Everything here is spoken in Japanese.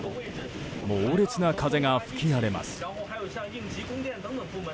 猛烈な風が吹き荒れます。